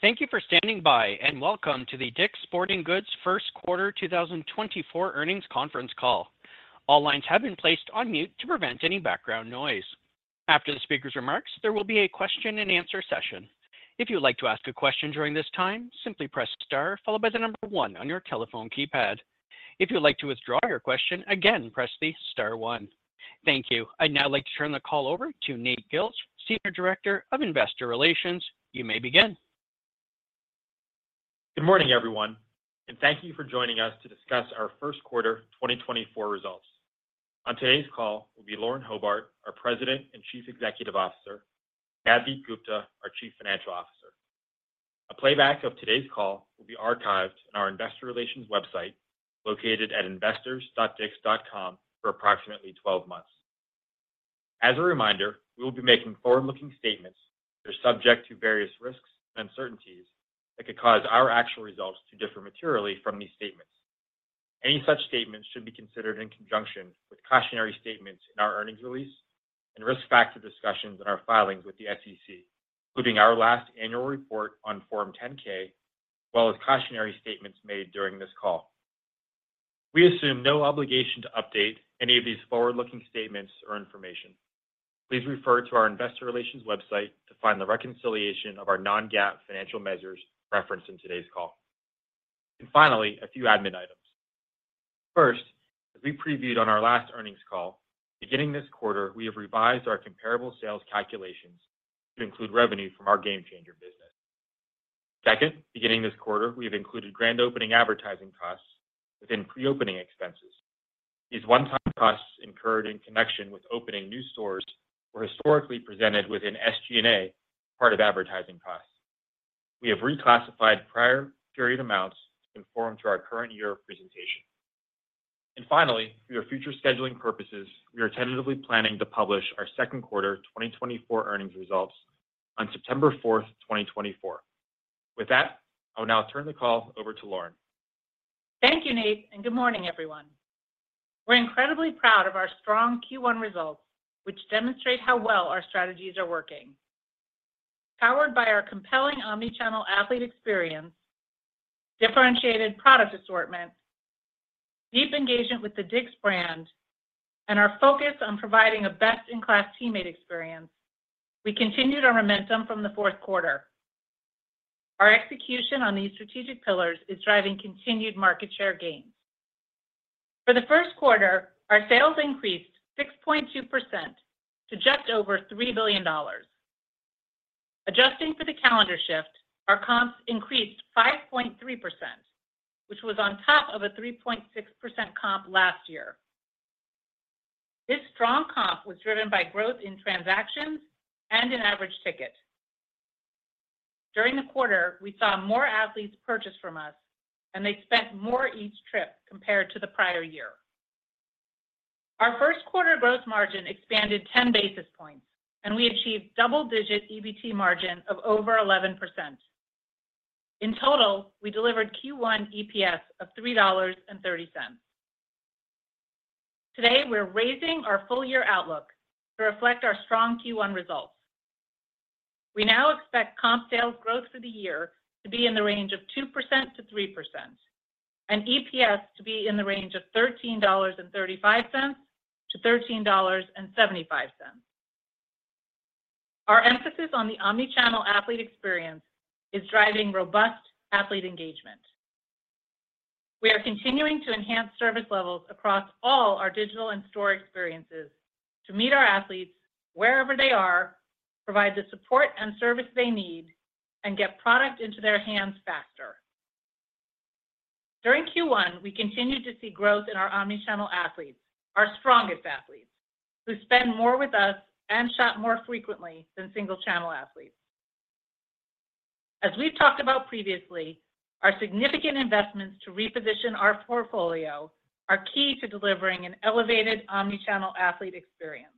Thank you for standing by, and welcome to the DICK'S Sporting Goods first quarter 2024 earnings conference call. All lines have been placed on mute to prevent any background noise. After the speaker's remarks, there will be a question and answer session. If you'd like to ask a question during this time, simply press star followed by the number one on your telephone keypad. If you'd like to withdraw your question, again, press the star one. Thank you. I'd now like to turn the call over to Nate Gilch, Senior Director of Investor Relations. You may begin. Good morning, everyone, and thank you for joining us to discuss our first quarter 2024 results. On today's call will be Lauren Hobart, our President and Chief Executive Officer, Navdeep Gupta, our Chief Financial Officer. A playback of today's call will be archived on our investor relations website, located at investors.dicks.com, for approximately 12 months. As a reminder, we will be making forward-looking statements that are subject to various risks and uncertainties that could cause our actual results to differ materially from these statements. Any such statements should be considered in conjunction with cautionary statements in our earnings release and risk factor discussions in our filings with the SEC, including our last annual report on Form 10-K, as well as cautionary statements made during this call. We assume no obligation to update any of these forward-looking statements or information. Please refer to our investor relations website to find the reconciliation of our non-GAAP financial measures referenced in today's call. Finally, a few admin items. First, as we previewed on our last earnings call, beginning this quarter, we have revised our comparable sales calculations to include revenue from our GameChanger business. Second, beginning this quarter, we have included grand opening advertising costs within pre-opening expenses. These one-time costs incurred in connection with opening new stores were historically presented within SG&A, part of advertising costs. We have reclassified prior period amounts to conform to our current year of presentation. Finally, for your future scheduling purposes, we are tentatively planning to publish our second quarter 2024 earnings results on September fourth, 2024. With that, I will now turn the call over to Lauren. Thank you, Nate, and good morning, everyone. We're incredibly proud of our strong Q1 results, which demonstrate how well our strategies are working. Powered by our compelling omnichannel athlete experience, differentiated product assortment, deep engagement with the DICK'S brand, and our focus on providing a best-in-class teammate experience, we continued our momentum from the fourth quarter. Our execution on these strategic pillars is driving continued market share gains. For the first quarter, our sales increased 6.2% to just over $3 billion. Adjusting for the calendar shift, our comps increased 5.3%, which was on top of a 3.6% comp last year. This strong comp was driven by growth in transactions and in average ticket. During the quarter, we saw more athletes purchase from us, and they spent more each trip compared to the prior year. Our first quarter gross margin expanded 10 basis points, and we achieved double-digit EBT margin of over 11%. In total, we delivered Q1 EPS of $3.30. Today, we're raising our full-year outlook to reflect our strong Q1 results. We now expect comp sales growth for the year to be in the range of 2%-3% and EPS to be in the range of $13.35-$13.75. Our emphasis on the omnichannel athlete experience is driving robust athlete engagement. We are continuing to enhance service levels across all our digital and store experiences to meet our athletes wherever they are, provide the support and service they need, and get product into their hands faster. During Q1, we continued to see growth in our omnichannel athletes, our strongest athletes, who spend more with us and shop more frequently than single-channel athletes. As we've talked about previously, our significant investments to reposition our portfolio are key to delivering an elevated omnichannel athlete experience.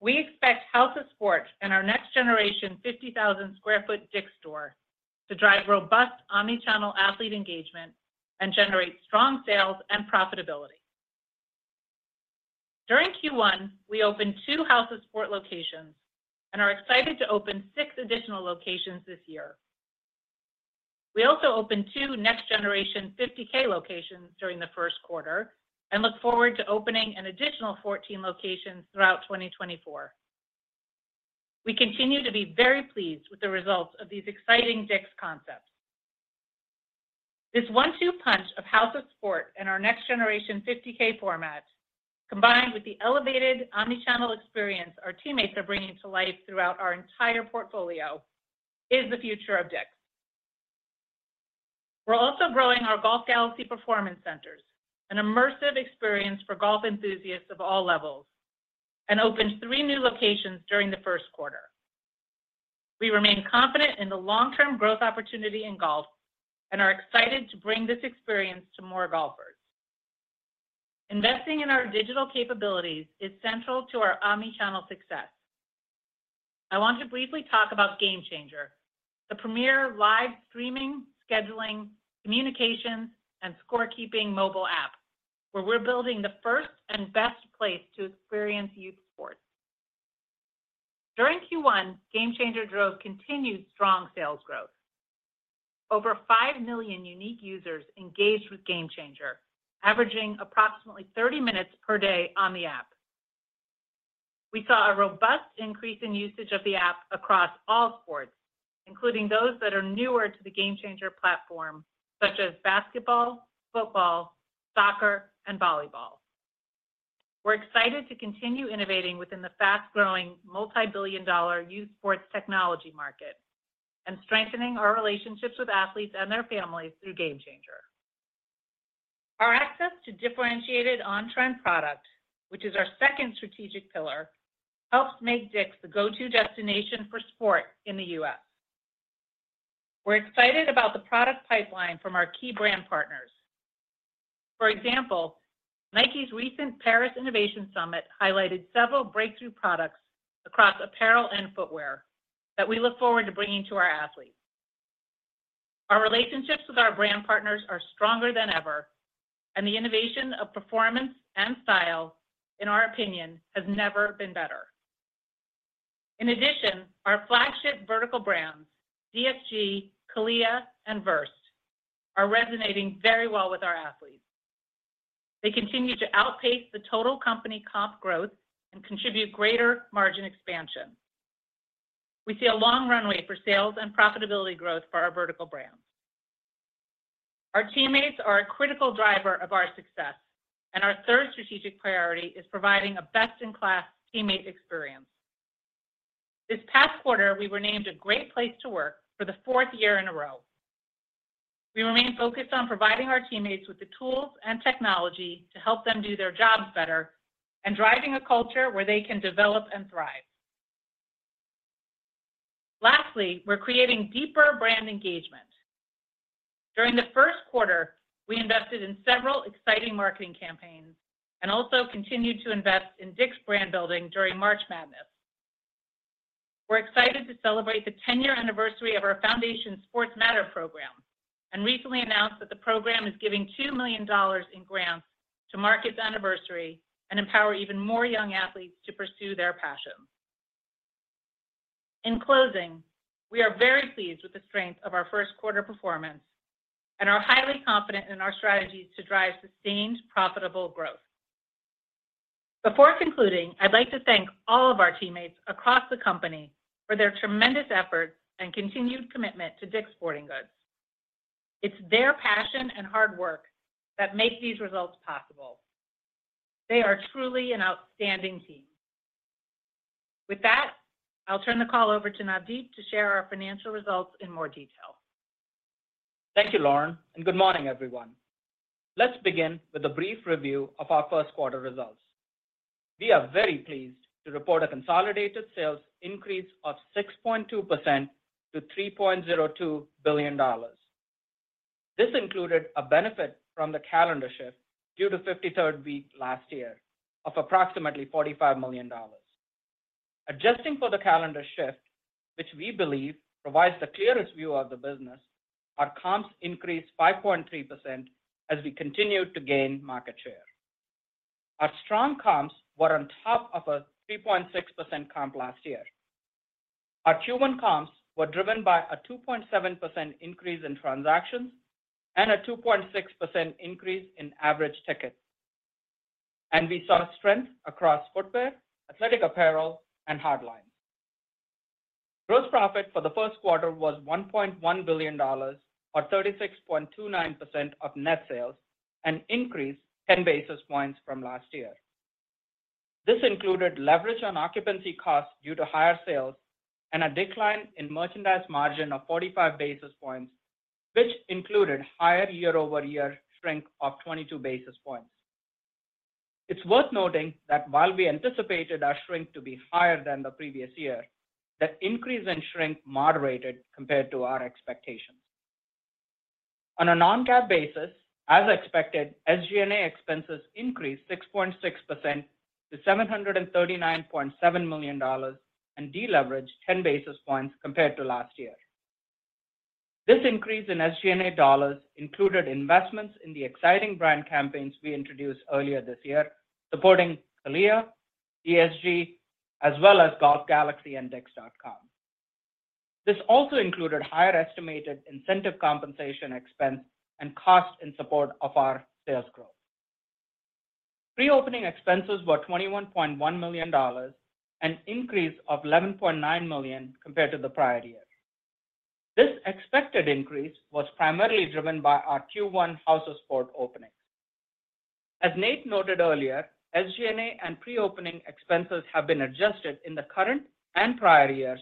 We expect House of Sport and our next generation 50,000 sq ft DICK'S store to drive robust omnichannel athlete engagement and generate strong sales and profitability. During Q1, we opened two House of Sport locations and are excited to open 6 additional locations this year. We also opened two next generation 50K locations during the first quarter and look forward to opening an additional 14 locations throughout 2024. We continue to be very pleased with the results of these exciting DICK'S concepts. This one-two punch of House of Sport and our next generation 50K format, combined with the elevated omnichannel experience our teammates are bringing to life throughout our entire portfolio, is the future of DICK'S. We're also growing our Golf Galaxy performance centers, an immersive experience for golf enthusiasts of all levels, and opened three new locations during the first quarter. We remain confident in the long-term growth opportunity in golf and are excited to bring this experience to more golfers. Investing in our digital capabilities is central to our omnichannel success. I want to briefly talk about GameChanger, the premier live streaming, scheduling, communications, and scorekeeping mobile app, where we're building the first and best place to experience youth-... During Q1, GameChanger drove continued strong sales growth. Over 5 million unique users engaged with GameChanger, averaging approximately 30 minutes per day on the app. We saw a robust increase in usage of the app across all sports, including those that are newer to the GameChanger platform, such as basketball, football, soccer, and volleyball. We're excited to continue innovating within the fast-growing, multi-billion dollar youth sports technology market and strengthening our relationships with athletes and their families through GameChanger. Our access to differentiated on-trend product, which is our second strategic pillar, helps make DICK'S the go-to destination for sport in the U.S. We're excited about the product pipeline from our key brand partners. For example, Nike's recent Paris Innovation Summit highlighted several breakthrough products across apparel and footwear that we look forward to bringing to our athletes. Our relationships with our brand partners are stronger than ever, and the innovation of performance and style, in our opinion, has never been better. In addition, our flagship vertical brands, DSG, CALIA, and VRST, are resonating very well with our athletes. They continue to outpace the total company comp growth and contribute greater margin expansion. We see a long runway for sales and profitability growth for our vertical brands. Our teammates are a critical driver of our success, and our third strategic priority is providing a best-in-class teammate experience. This past quarter, we were named a great place to work for the fourth year in a row. We remain focused on providing our teammates with the tools and technology to help them do their jobs better and driving a culture where they can develop and thrive. Lastly, we're creating deeper brand engagement. During the first quarter, we invested in several exciting marketing campaigns and also continued to invest in DICK'S brand building during March Madness. We're excited to celebrate the ten-year anniversary of our Sports Matter Foundation program, and recently announced that the program is giving $2 million in grants to mark its anniversary and empower even more young athletes to pursue their passions. In closing, we are very pleased with the strength of our first quarter performance and are highly confident in our strategies to drive sustained, profitable growth. Before concluding, I'd like to thank all of our teammates across the company for their tremendous effort and continued commitment to DICK'S Sporting Goods. It's their passion and hard work that make these results possible. They are truly an outstanding team. With that, I'll turn the call over to Navdeep to share our financial results in more detail. Thank you, Lauren, and good morning, everyone. Let's begin with a brief review of our first quarter results. We are very pleased to report a consolidated sales increase of 6.2% to $3.02 billion. This included a benefit from the calendar shift due to 53rd week last year of approximately $45 million. Adjusting for the calendar shift, which we believe provides the clearest view of the business, our comps increased 5.3% as we continued to gain market share. Our strong comps were on top of a 3.6% comp last year. Our Q1 comps were driven by a 2.7% increase in transactions and a 2.6% increase in average ticket. We saw strength across footwear, athletic apparel, and hardlines. Gross profit for the first quarter was $1.1 billion or 36.29% of net sales, an increase 10 basis points from last year. This included leverage on occupancy costs due to higher sales and a decline in merchandise margin of 45 basis points, which included higher year-over-year shrink of 22 basis points. It's worth noting that while we anticipated our shrink to be higher than the previous year, the increase in shrink moderated compared to our expectations. On a non-GAAP basis, as expected, SG&A expenses increased 6.6% to $739.7 million and deleveraged 10 basis points compared to last year. This increase in SG&A dollars included investments in the exciting brand campaigns we introduced earlier this year, supporting CALIA, DSG, as well as Golf Galaxy and dicks.com. This also included higher estimated incentive compensation expense and cost in support of our sales growth. Pre-opening expenses were $21.1 million, an increase of $11.9 million compared to the prior year. This expected increase was primarily driven by our Q1 House of Sport openings. As Nate noted earlier, SG&A and pre-opening expenses have been adjusted in the current and prior years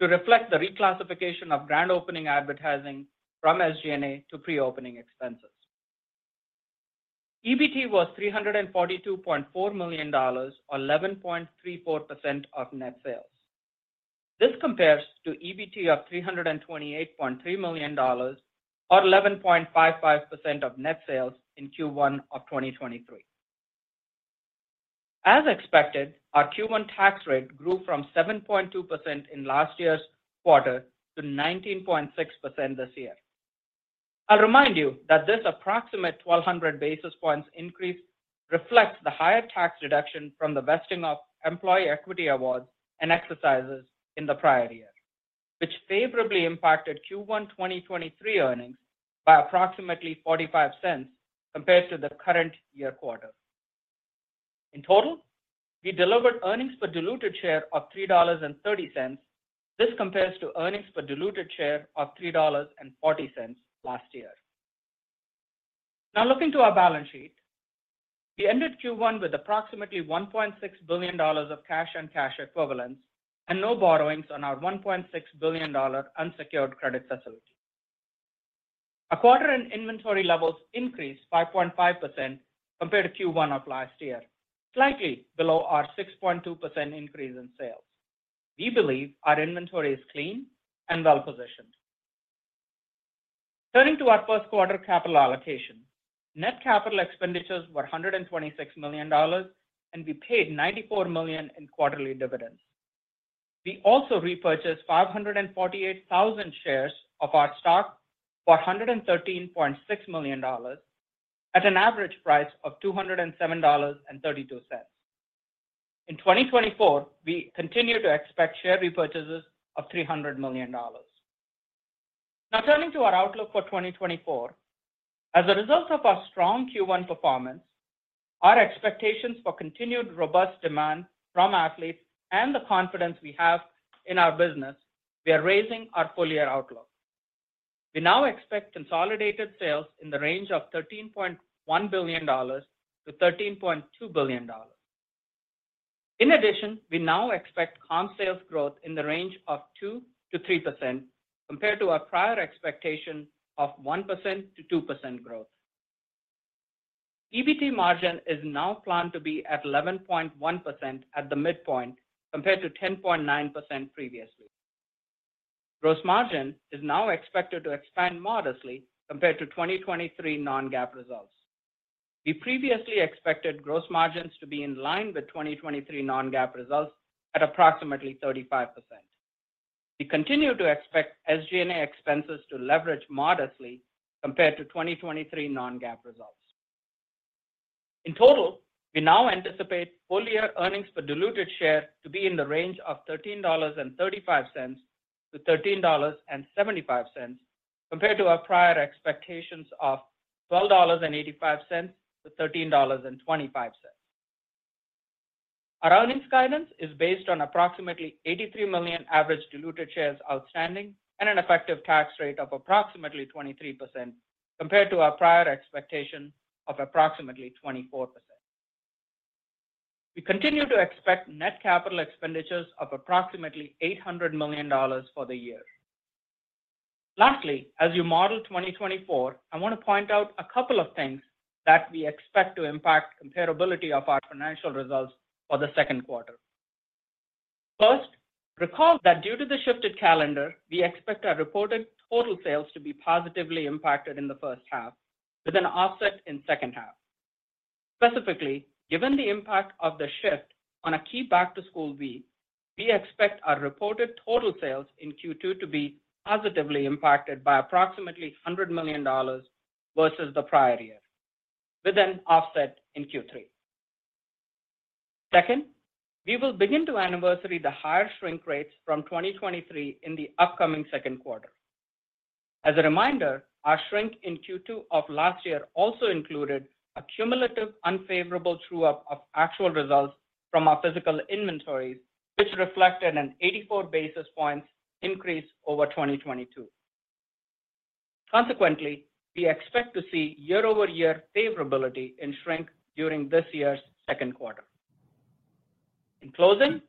to reflect the reclassification of grand opening advertising from SG&A to pre-opening expenses. EBT was $342.4 million, or 11.34% of net sales. This compares to EBT of $328.3 million, or 11.55% of net sales in Q1 of 2023. As expected, our Q1 tax rate grew from 7.2% in last year's quarter to 19.6% this year. I'll remind you that this approximate 1,200 basis points increase reflects the higher tax deduction from the vesting of employee equity awards and exercises in the prior year, which favorably impacted Q1 2023 earnings by approximately $0.45 compared to the current year quarter. In total, we delivered earnings per diluted share of $3.30. This compares to earnings per diluted share of $3.40 last year. Now, looking to our balance sheet, we ended Q1 with approximately $1.6 billion of cash and cash equivalents, and no borrowings on our $1.6 billion unsecured credit facility. Our quarter-end inventory levels increased by 0.5% compared to Q1 of last year, slightly below our 6.2% increase in sales. We believe our inventory is clean and well-positioned. Turning to our first quarter capital allocation, net capital expenditures were $126 million, and we paid $94 million in quarterly dividends. We also repurchased 548,000 shares of our stock for $113.6 million, at an average price of $207.32. In 2024, we continue to expect share repurchases of $300 million. Now, turning to our outlook for 2024. As a result of our strong Q1 performance, our expectations for continued robust demand from athletes and the confidence we have in our business, we are raising our full-year outlook. We now expect consolidated sales in the range of $13.1 billion-$13.2 billion. In addition, we now expect comp sales growth in the range of 2%-3%, compared to our prior expectation of 1%-2% growth. EBT margin is now planned to be at 11.1% at the midpoint, compared to 10.9% previously. Gross margin is now expected to expand modestly compared to 2023 non-GAAP results. We previously expected gross margins to be in line with 2023 non-GAAP results at approximately 35%. We continue to expect SG&A expenses to leverage modestly compared to 2023 non-GAAP results. In total, we now anticipate full-year earnings per diluted share to be in the range of $13.35-$13.75, compared to our prior expectations of $12.85-$13.25. Our earnings guidance is based on approximately 83 million average diluted shares outstanding and an effective tax rate of approximately 23%, compared to our prior expectation of approximately 24%. We continue to expect net capital expenditures of approximately $800 million for the year. Lastly, as you model 2024, I want to point out a couple of things that we expect to impact comparability of our financial results for the second quarter. First, recall that due to the shifted calendar, we expect our reported total sales to be positively impacted in the first half, with an offset in second half. Specifically, given the impact of the shift on a key back-to-school week, we expect our reported total sales in Q2 to be positively impacted by approximately $100 million versus the prior year, with an offset in Q3. Second, we will begin to anniversary the higher shrink rates from 2023 in the upcoming second quarter. As a reminder, our shrink in Q2 of last year also included a cumulative unfavorable true up of actual results from our physical inventories, which reflected an 84 basis points increase over 2022. Consequently, we expect to see year-over-year favorability in shrink during this year's second quarter. In closing,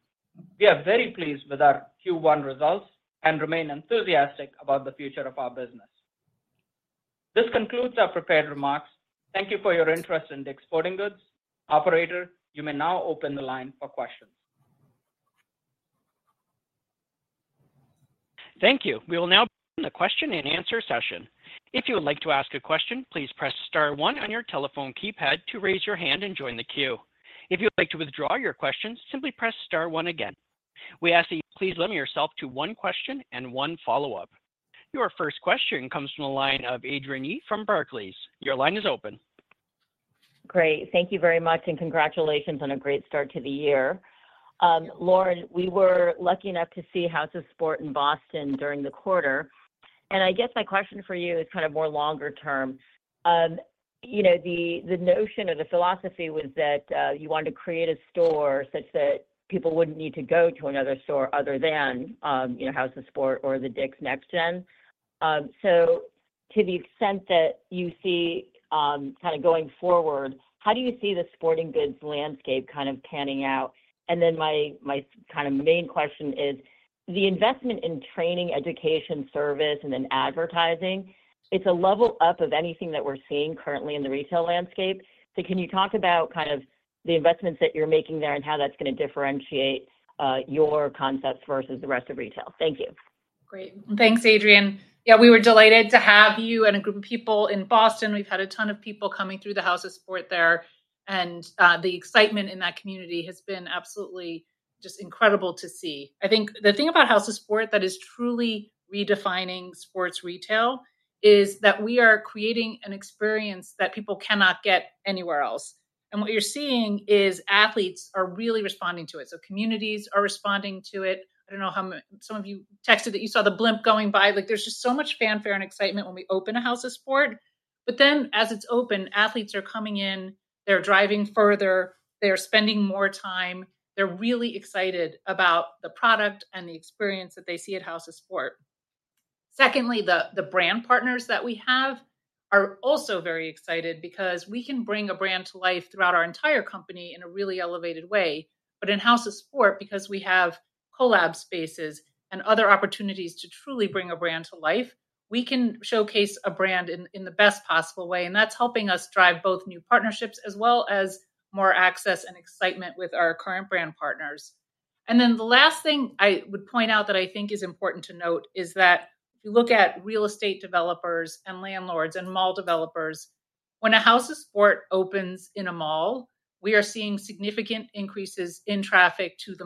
we are very pleased with our Q1 results and remain enthusiastic about the future of our business. This concludes our prepared remarks. Thank you for your interest in DICK'S Sporting Goods. Operator, you may now open the line for questions. Thank you. We will now begin the question and answer session. If you would like to ask a question, please press star one on your telephone keypad to raise your hand and join the queue. If you'd like to withdraw your question, simply press star one again. We ask that you please limit yourself to one question and one follow-up. Your first question comes from the line of Adrienne Yih from Barclays. Your line is open. Great. Thank you very much, and congratulations on a great start to the year. Lauren, we were lucky enough to see House of Sport in Boston during the quarter, and I guess my question for you is kind of more longer term. You know, the notion or the philosophy was that, you wanted to create a store such that people wouldn't need to go to another store other than, you know, House of Sport or the DICK'S Next Gen. So to the extent that you see, kind of going forward, how do you see the sporting goods landscape kind of panning out? And then my, my kind of main question is the investment in training, education, service, and then advertising, it's a level up of anything that we're seeing currently in the retail landscape. Can you talk about kind of the investments that you're making there and how that's gonna differentiate your concepts versus the rest of retail? Thank yoGreat. Thanks, Adrienne. Yeah, we were delighted to have you and a group of people in Boston. We've had a ton of people coming through the House of Sport there, and the excitement in that community has been absolutely just incredible to see. I think the thing about House of Sport that is truly redefining sports retail is that we are creating an experience that people cannot get anywhere else, and what you're seeing is athletes are really responding to it. So communities are responding to it. I don't know how some of you texted that you saw the blimp going by. Like, there's just so much fanfare and excitement when we open a House of Sport. But then, as it's open, athletes are coming in, they're driving further, they're spending more time. They're really excited about the product and the experience that they see at House of Sport. Secondly, the brand partners that we have are also very excited because we can bring a brand to life throughout our entire company in a really elevated way. But in House of Sport, because we have collab spaces and other opportunities to truly bring a brand to life, we can showcase a brand in the best possible way, and that's helping us drive both new partnerships, as well as more access and excitement with our current brand partners. And then the last thing I would point out that I think is important to note is that if you look at real estate developers and landlords and mall developers, when a House of Sport opens in a mall, we are seeing significant increases in traffic to the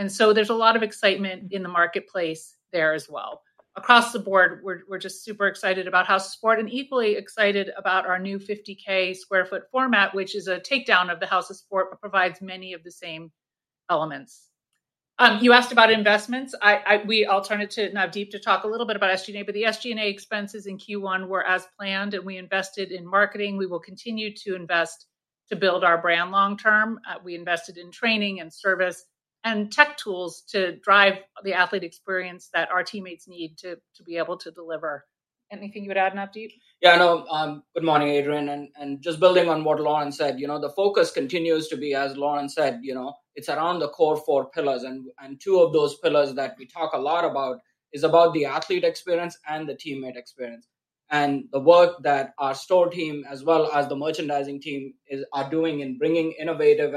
mall. And so there's a lot of excitement in the marketplace there as well. Across the board, we're just super excited about House of Sport, and equally excited about our new 50,000 sq ft format, which is a takedown of the House of Sport, but provides many of the same elements. You asked about investments. I'll turn it to Navdeep to talk a little bit about SG&A, but the SG&A expenses in Q1 were as planned, and we invested in marketing. We will continue to invest to build our brand long term. We invested in training and service and tech tools to drive the athlete experience that our teammates need to be able to deliver. Anything you would add, Navdeep? Yeah, no. Good morning, Adrienne, and just building on what Lauren said, you know, the focus continues to be, as Lauren said, you know, it's around the core four pillars, and two of those pillars that we talk a lot about is about the athlete experience and the teammate experience. And the work that our store team, as well as the merchandising team, are doing in bringing innovative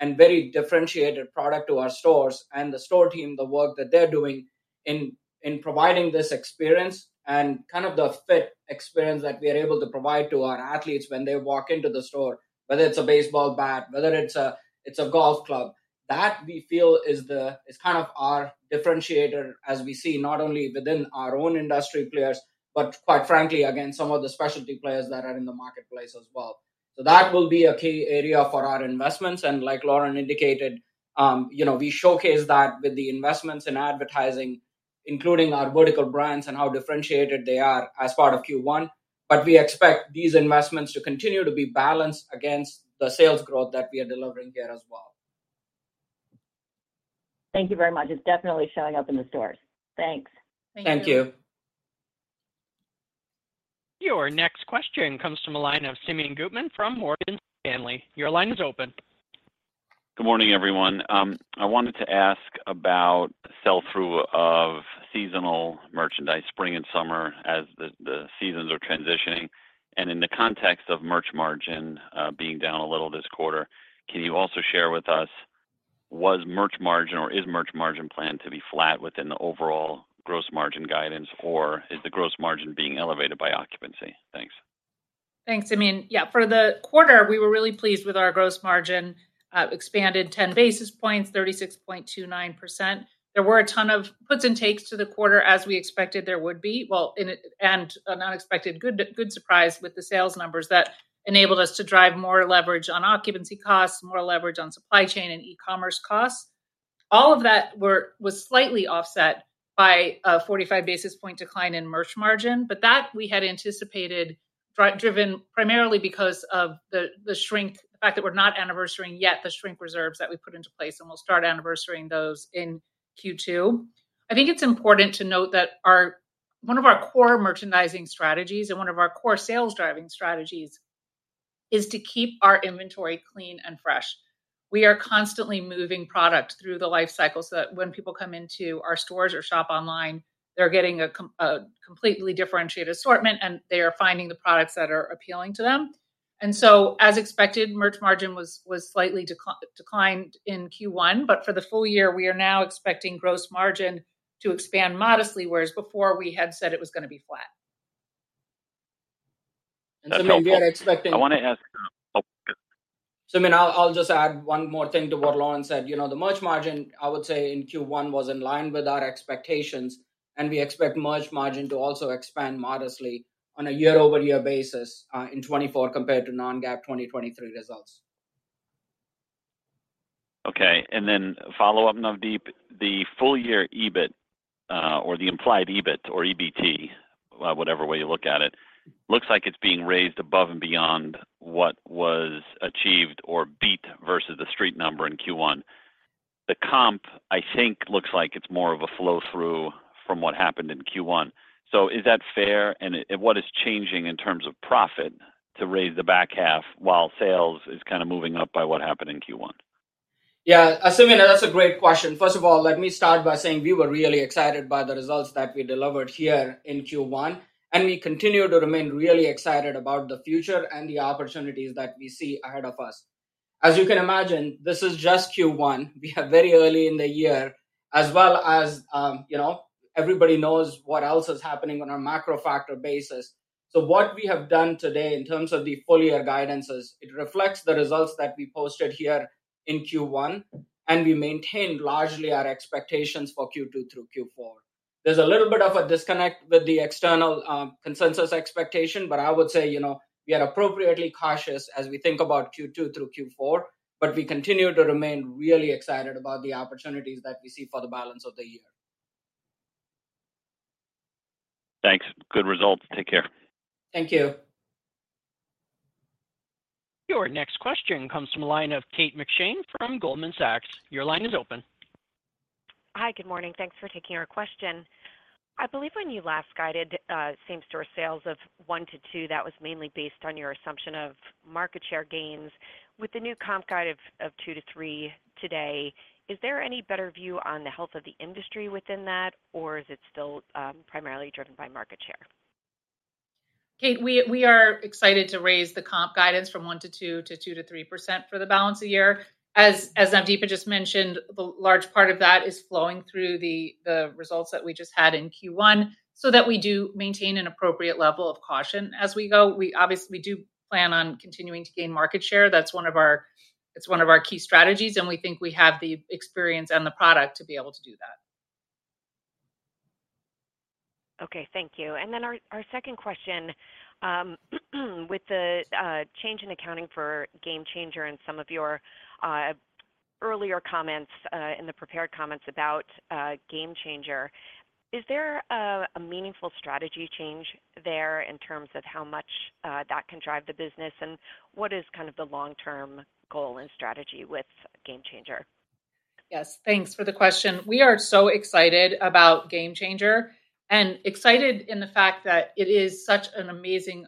and very differentiated product to our stores, and the store team, the work that they're doing in providing this experience and kind of the fit experience that we are able to provide to our athletes when they walk into the store, whether it's a baseball bat, whether it's a golf club, that we feel is kind of our differentiator as we see not only within our own industry players, but quite frankly, against some of the specialty players that are in the marketplace as well. So that will be a key area for our investments, and like Lauren indicated, you know, we showcase that with the investments in advertising, including our vertical brands and how differentiated they are as part of Q1. We expect these investments to continue to be balanced against the sales growth that we are delivering here as well. Thank you very much. It's definitely showing up in the stores. Thanks. Thank you. Thank you. Your next question comes from the line of Simeon Gutman from Morgan Stanley. Your line is open. Good morning, everyone. I wanted to ask about sell-through of seasonal merchandise, spring and summer, as the seasons are transitioning. In the context of merch margin being down a little this quarter, can you also share with us, was merch margin or is merch margin planned to be flat within the overall gross margin guidance, or is the gross margin being elevated by occupancy? Thanks. Thanks, Simeon. Yeah, for the quarter, we were really pleased with our gross margin, expanded 10 basis points, 36.29%. There were a ton of puts and takes to the quarter, as we expected there would be. Well, and an unexpected good surprise with the sales numbers that enabled us to drive more leverage on occupancy costs, more leverage on supply chain and e-commerce costs. All of that was slightly offset by a 45 basis point decline in merch margin, but that we had anticipated, driven primarily because of the shrink, the fact that we're not anniversarying yet the shrink reserves that we put into place, and we'll start anniversarying those in Q2. I think it's important to note that our... One of our core merchandising strategies and one of our core sales-driving strategies is to keep our inventory clean and fresh. We are constantly moving product through the life cycle, so that when people come into our stores or shop online, they're getting a completely differentiated assortment, and they are finding the products that are appealing to them. And so, as expected, merch margin was slightly declined in Q1, but for the full year, we are now expecting gross margin to expand modestly, whereas before we had said it was gonna be flat. Simeon, we are expecting- That's helpful. I wanna ask Simeon, I'll just add one more thing to what Lauren said. You know, the merch margin, I would say, in Q1 was in line with our expectations, and we expect merch margin to also expand modestly on a year-over-year basis in 2024 compared to non-GAAP 2023 results. Okay, and then a follow-up, Navdeep. The full-year EBIT or the implied EBIT or EBT, whatever way you look at it, looks like it's being raised above and beyond what was achieved or beat versus the street number in Q1. The comp, I think, looks like it's more of a flow-through from what happened in Q1. So is that fair, and what is changing in terms of profit to raise the back half, while sales is kind of moving up by what happened in Q1? Yeah, Simeon, that's a great question. First of all, let me start by saying we were really excited by the results that we delivered here in Q1, and we continue to remain really excited about the future and the opportunities that we see ahead of us... as you can imagine, this is just Q1. We are very early in the year, as well as, you know, everybody knows what else is happening on a macro factor basis. So what we have done today in terms of the full year guidance is, it reflects the results that we posted here in Q1, and we maintained largely our expectations for Q2 through Q4. There's a little bit of a disconnect with the external consensus expectation, but I would say, you know, we are appropriately cautious as we think about Q2 through Q4, but we continue to remain really excited about the opportunities that we see for the balance of the year. Thanks. Good results. Take care. Thank you. Your next question comes from a line of Kate McShane from Goldman Sachs. Your line is open. Hi, good morning. Thanks for taking our question. I believe when you last guided, same-store sales of 1-2, that was mainly based on your assumption of market share gains. With the new comp guide of 2-3 today, is there any better view on the health of the industry within that, or is it still primarily driven by market share? Kate, we are excited to raise the comp guidance from 1%-2% to 2%-3% for the balance of the year. As Navdeep just mentioned, the large part of that is flowing through the results that we just had in Q1, so that we do maintain an appropriate level of caution as we go. We obviously do plan on continuing to gain market share. That's one of our... It's one of our key strategies, and we think we have the experience and the product to be able to do that. Okay, thank you. And then our second question with the change in accounting for GameChanger and some of your earlier comments in the prepared comments about GameChanger, is there a meaningful strategy change there in terms of how much that can drive the business? And what is kind of the long-term goal and strategy with GameChanger? Yes. Thanks for the question. We are so excited about GameChanger, and excited in the fact that it is such an amazing,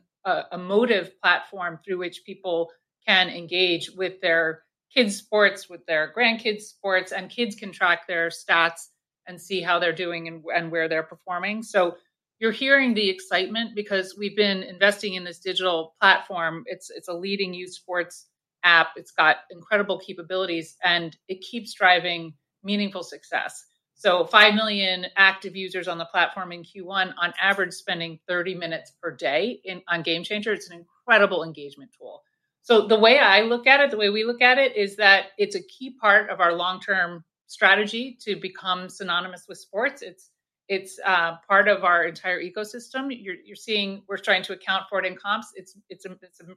emotive platform through which people can engage with their kids' sports, with their grandkids' sports, and kids can track their stats and see how they're doing and and where they're performing. So you're hearing the excitement because we've been investing in this digital platform. It's, it's a leading youth sports app. It's got incredible capabilities, and it keeps driving meaningful success. So 5 million active users on the platform in Q1, on average, spending 30 minutes per day in, on GameChanger. It's an incredible engagement tool. So the way I look at it, the way we look at it, is that it's a key part of our long-term strategy to become synonymous with sports. It's, it's, part of our entire ecosystem. You're seeing... We're starting to account for it in comps. It's a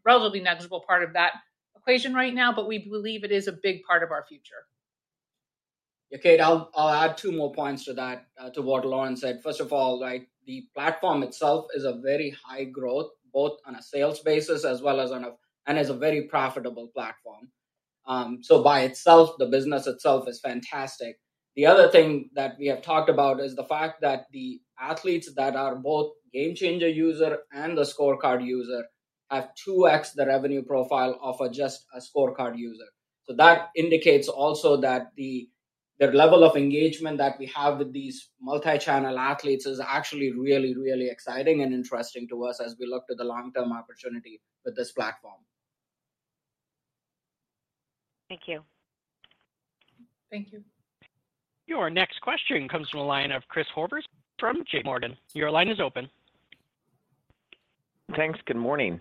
relatively negligible part of that equation right now, but we believe it is a big part of our future. Yeah, Kate, I'll add two more points to that, to what Lauren said. First of all, right, the platform itself is a very high growth, both on a sales basis as well as on a and is a very profitable platform. So by itself, the business itself is fantastic. The other thing that we have talked about is the fact that the athletes that are both GameChanger user and a ScoreCard user, have 2x the revenue profile of a, just a ScoreCard user. So that indicates also that the, the level of engagement that we have with these multi-channel athletes is actually really, really exciting and interesting to us as we look to the long-term opportunity with this platform. Thank you. Thank you. Your next question comes from a line of Christopher Horvers from JPMorgan. Your line is open. Thanks, good morning.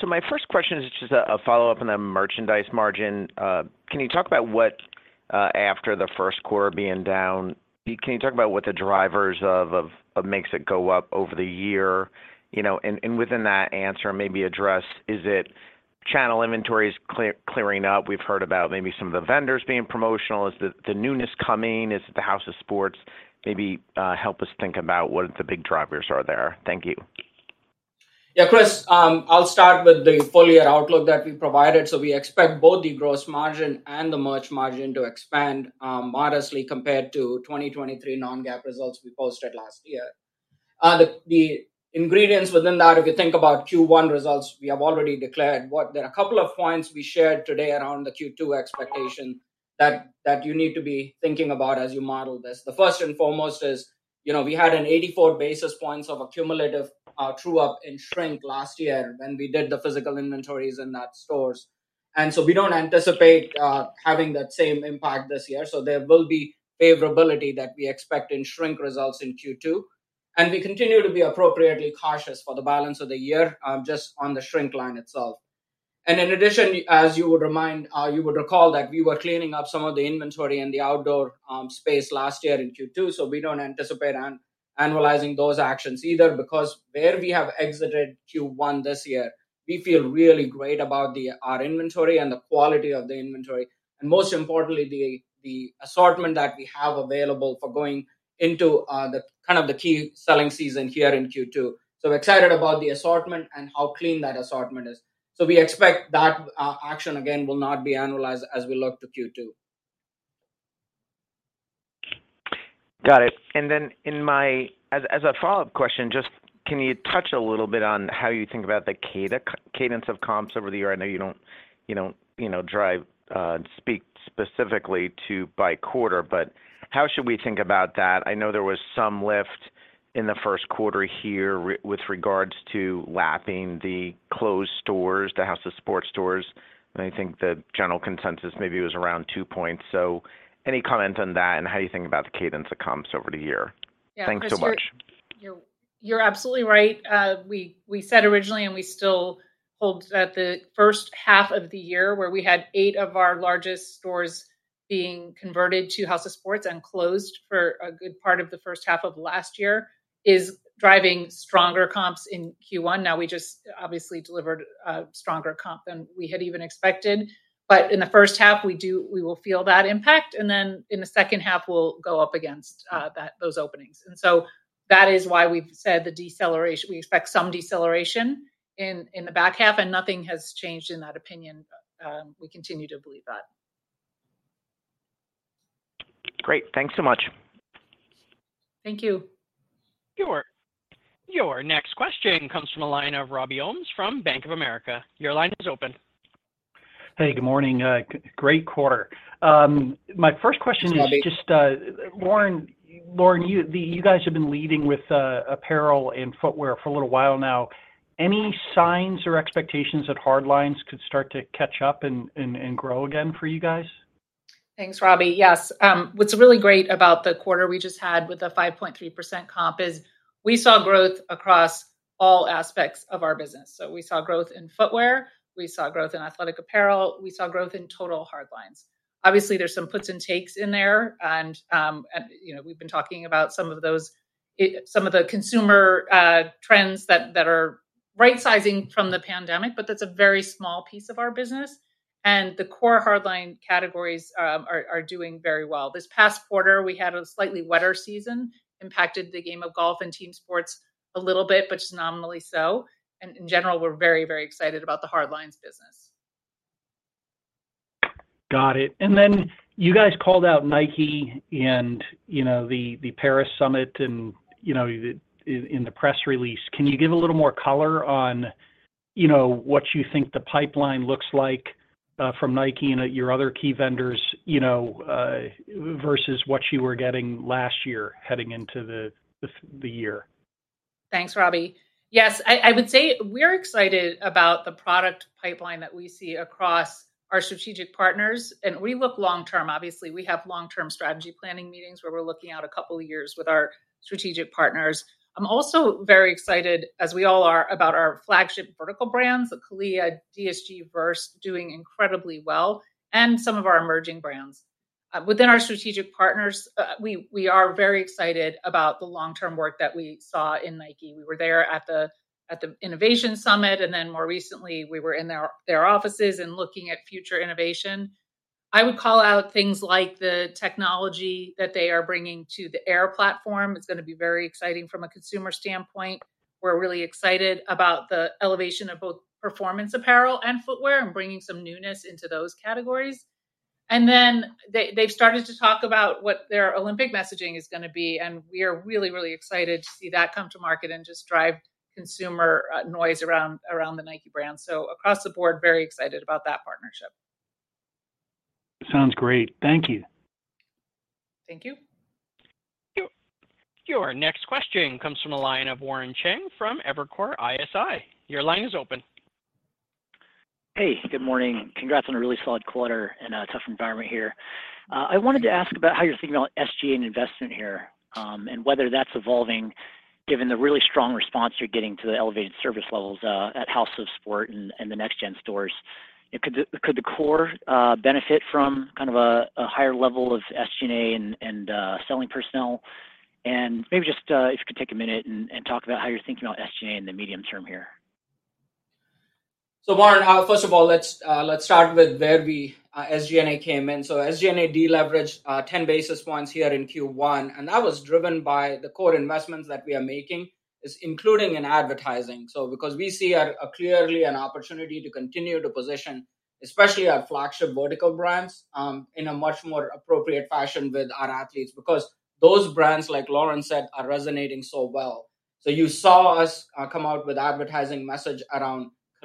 So my first question is just a follow-up on the merchandise margin. Can you talk about what, after the first quarter being down, the drivers of makes it go up over the year? You know, and within that answer, maybe address, is it channel inventories clearing up? We've heard about maybe some of the vendors being promotional. Is the newness coming? Is it the House of Sport? Maybe help us think about what the big drivers are there. Thank you. Yeah, Chris, I'll start with the full year outlook that we provided. So we expect both the gross margin and the merch margin to expand modestly compared to 2023 non-GAAP results we posted last year. The ingredients within that, if you think about Q1 results, we have already declared what... There are a couple of points we shared today around the Q2 expectation that you need to be thinking about as you model this. The first and foremost is, you know, we had 84 basis points of accumulative true up in shrink last year when we did the physical inventories in that stores. And so we don't anticipate having that same impact this year, so there will be favorability that we expect in shrink results in Q2. We continue to be appropriately cautious for the balance of the year, just on the shrink line itself. In addition, as you would recall, that we were cleaning up some of the inventory in the outdoor space last year in Q2, so we don't anticipate annualizing those actions either, because where we have exited Q1 this year, we feel really great about our inventory and the quality of the inventory, and most importantly, the assortment that we have available for going into the kind of key selling season here in Q2. We're excited about the assortment and how clean that assortment is. We expect that action again will not be annualized as we look to Q2. Got it. And then, as a follow-up question, just can you touch a little bit on how you think about the cadence of comps over the year? I know you don't, you know, speak specifically to by quarter, but how should we think about that? I know there was some lift-... in the first quarter here with regards to lapping the closed stores, the House of Sport stores, and I think the general consensus maybe was around two points. So any comment on that, and how you think about the cadence of comps over the year? Thanks so much. Yeah, Chris, you're absolutely right. We said originally, and we still hold, that the first half of the year, where we had eight of our largest stores being converted to House of Sport and closed for a good part of the first half of last year, is driving stronger comps in Q1. Now, we just obviously delivered a stronger comp than we had even expected. But in the first half, we will feel that impact, and then in the second half, we'll go up against those openings. And so that is why we've said the deceleration, we expect some deceleration in the back half, and nothing has changed in that opinion. We continue to believe that. Great. Thanks so much. Thank you. Sure. Your next question comes from the line of Robbie Ohmes from Bank of America. Your line is open. Hey, good morning. Great quarter. My first question is- Hi, Robbie... just, Lauren, you guys have been leading with apparel and footwear for a little while now. Any signs or expectations that hardlines could start to catch up and grow again for you guys? Thanks, Robbie. Yes, what's really great about the quarter we just had with the 5.3% comp is we saw growth across all aspects of our business. So we saw growth in footwear, we saw growth in athletic apparel, we saw growth in total hardlines. Obviously, there's some puts and takes in there, and, and, you know, we've been talking about some of those, some of the consumer trends that, that are right-sizing from the pandemic, but that's a very small piece of our business, and the core hardline categories are, are doing very well. This past quarter, we had a slightly wetter season, impacted the game of golf and team sports a little bit, but just nominally so. And in general, we're very, very excited about the hardlines business. Got it. And then you guys called out Nike and, you know, the Paris Summit, and, you know, in the press release. Can you give a little more color on, you know, what you think the pipeline looks like from Nike and your other key vendors, you know, versus what you were getting last year heading into the year? Thanks, Robbie. Yes, I would say we're excited about the product pipeline that we see across our strategic partners, and we look long term. Obviously, we have long-term strategy planning meetings, where we're looking out a couple of years with our strategic partners. I'm also very excited, as we all are, about our flagship vertical brands, the CALIA, DSG, VRST, doing incredibly well, and some of our emerging brands. Within our strategic partners, we are very excited about the long-term work that we saw in Nike. We were there at the Innovation Summit, and then more recently, we were in their offices and looking at future innovation. I would call out things like the technology that they are bringing to the Air platform. It's gonna be very exciting from a consumer standpoint. We're really excited about the elevation of both performance apparel and footwear and bringing some newness into those categories. And then they, they've started to talk about what their Olympic messaging is gonna be, and we are really, really excited to see that come to market and just drive consumer, noise around, around the Nike brand. So across the board, very excited about that partnership. Sounds great. Thank you. Thank you. Thank you. Your next question comes from a line of Warren Cheng from Evercore ISI. Your line is open. Hey, good morning. Congrats on a really solid quarter in a tough environment here. I wanted to ask about how you're thinking about SG&A investment here, and whether that's evolving, given the really strong response you're getting to the elevated service levels at House of Sport and the next gen stores. Could the core benefit from kind of a higher level of SG&A and selling personnel? And maybe just, if you could take a minute and talk about how you're thinking about SG&A in the medium term here. So Warren, first of all, let's, let's start with where we, SG&A came in. So SG&A deleveraged, ten basis points here in Q1, and that was driven by the core investments that we are making, is including in advertising. So because we see a clearly an opportunity to continue to position, especially our flagship vertical brands, in a much more appropriate fashion with our athletes, because those brands, like Lauren said, are resonating so well.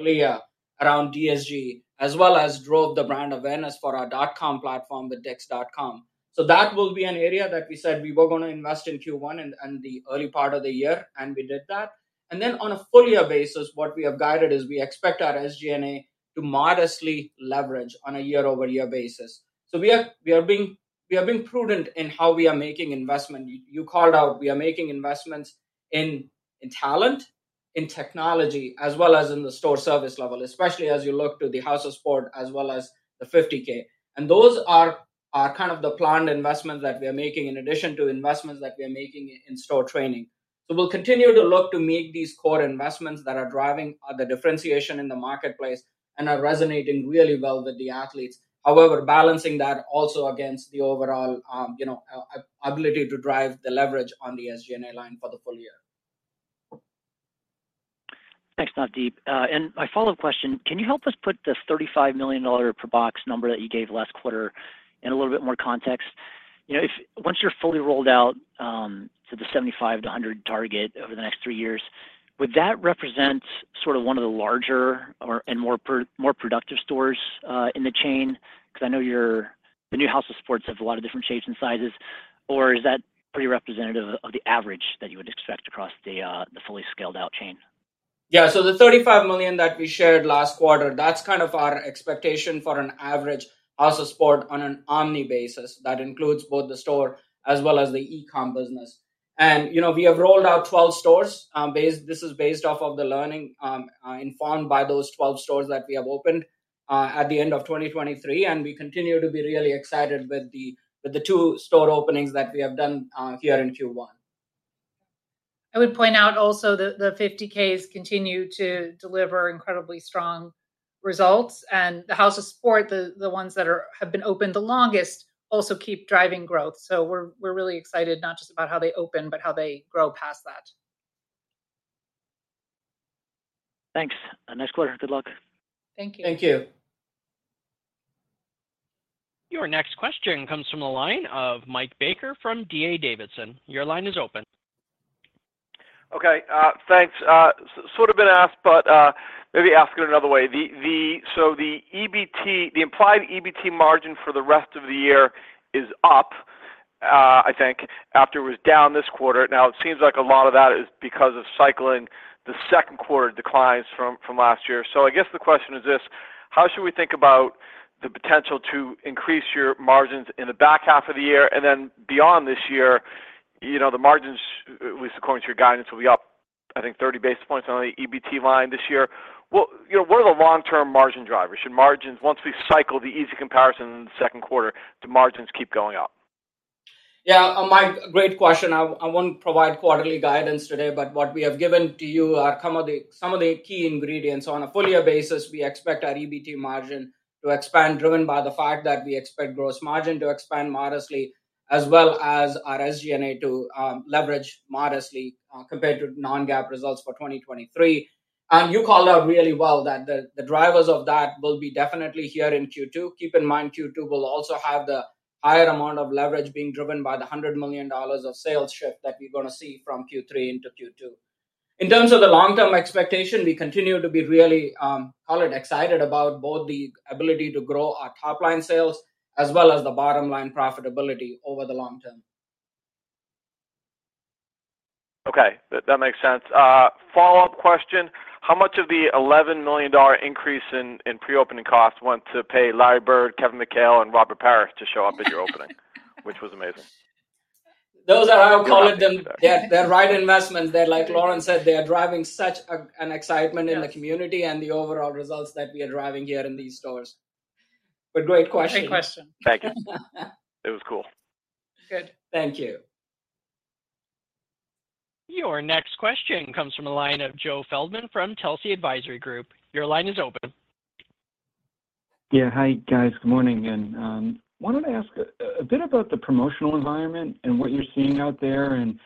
So you saw us, come out with advertising message around CALIA, around DSG, as well as drove the brand awareness for our dot-com platform, the dicks.com. So that will be an area that we said we were gonna invest in Q1 and, the early part of the year, and we did that. And then on a full year basis, what we have guided is we expect our SG&A to modestly leverage on a year-over-year basis. So we are being prudent in how we are making investment. You called out, we are making investments in talent, in technology, as well as in the store service level, especially as you look to the House of Sport as well as the 50K. And those are kind of the planned investments that we are making in addition to investments that we are making in store training. So we'll continue to look to make these core investments that are driving the differentiation in the marketplace and are resonating really well with the athletes. However, balancing that also against the overall, you know, ability to drive the leverage on the SG&A line for the full year. Thanks, Navdeep. And my follow-up question, can you help us put the $35 million per box number that you gave last quarter in a little bit more context? You know, if once you're fully rolled out to the 75-100 target over the next three years, would that represent sort of one of the larger or, and more productive stores in the chain? Because I know you're The new House of Sport has a lot of different shapes and sizes, or is that pretty representative of the average that you would expect across the fully scaled out chain? Yeah, so the $35 million that we shared last quarter, that's kind of our expectation for an average House of Sport on an omni basis. That includes both the store as well as the e-com business. And, you know, we have rolled out 12 stores. This is based off of the learning informed by those 12 stores that we have opened at the end of 2023, and we continue to be really excited with the two store openings that we have done here in Q1. I would point out also that the 50 Ks continue to deliver incredibly strong results, and the House of Sport, the ones that have been opened the longest, also keep driving growth. So we're really excited not just about how they open, but how they grow past that. Thanks, and nice quarter. Good luck. Thank you. Thank you. Your next question comes from the line of Mike Baker from D.A. Davidson. Your line is open. Okay, thanks. Sort of been asked, but maybe ask it another way. So the EBT - the implied EBT margin for the rest of the year is up, I think, after it was down this quarter. Now, it seems like a lot of that is because of cycling the second quarter declines from last year. So I guess the question is this: How should we think about the potential to increase your margins in the back half of the year? And then beyond this year, you know, the margins, at least according to your guidance, will be up, I think, 30 basis points on the EBT line this year. What - you know, what are the long-term margin drivers? Should margins - once we cycle the easy comparison in the second quarter, do margins keep going up? Yeah, Mike, great question. I won't provide quarterly guidance today, but what we have given to you are some of the key ingredients. On a full year basis, we expect our EBT margin to expand, driven by the fact that we expect gross margin to expand modestly, as well as our SG&A to leverage modestly, compared to non-GAAP results for 2023. And you called out really well that the drivers of that will be definitely here in Q2. Keep in mind, Q2 will also have the higher amount of leverage being driven by the $100 million of sales shift that we're gonna see from Q3 into Q2. In terms of the long-term expectation, we continue to be really excited about both the ability to grow our top-line sales as well as the bottom-line profitability over the long term. Okay, that, that makes sense. Follow-up question: How much of the $11 million increase in pre-opening costs went to pay Larry Bird, Kevin McHale, and Robert Parish to show up at your opening? Which was amazing. Those are... I would call it them- Yeah. They're the right investments. They're like Lauren said, they are driving such an excitement- Yeah in the community and the overall results that we are driving here in these stores. But great question. Great question. Thank you. It was cool. Good. Thank you. Your next question comes from the line of Joe Feldman from Telsey Advisory Group. Your line is open. Yeah. Hi, guys. Good morning again. Wanted to ask a bit about the promotional environment and what you're seeing out there, and,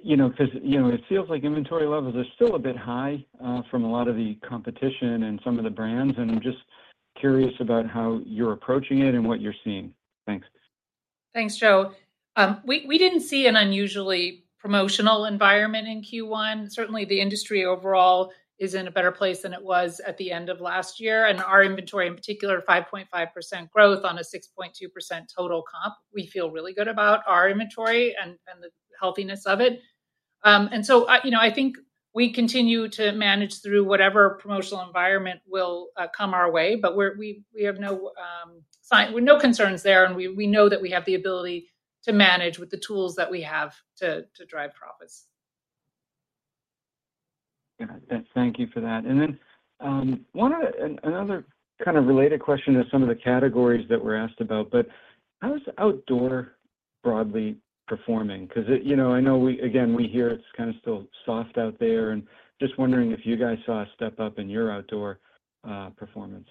you know, 'cause, you know, it feels like inventory levels are still a bit high from a lot of the competition and some of the brands, and I'm just curious about how you're approaching it and what you're seeing. Thanks. Thanks, Joe. We didn't see an unusually promotional environment in Q1. Certainly, the industry overall is in a better place than it was at the end of last year, and our inventory, in particular, 5.5% growth on a 6.2% total comp. We feel really good about our inventory and the healthiness of it. And so I, you know, I think we continue to manage through whatever promotional environment will come our way, but we have no concerns there, and we know that we have the ability to manage with the tools that we have to drive profits. Got it. Thank you for that. And then, another kind of related question to some of the categories that were asked about, but how is outdoor broadly performing? 'Cause it, you know, I know we, again, we hear it's kind of still soft out there, and just wondering if you guys saw a step up in your outdoor, performance.